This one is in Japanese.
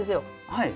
はい。